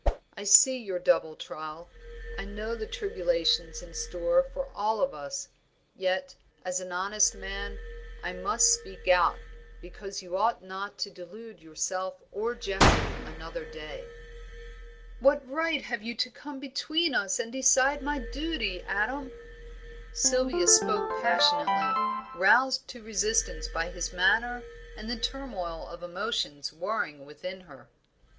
I see your double trial; I know the tribulations in store for all of us; yet, as an honest man, I must speak out, because you ought not to delude yourself or Geoffrey another day." "What right have you to come between us and decide my duty, Adam?" Sylvia spoke passionately, roused to resistance by his manner and the turmoil of emotions warring within her.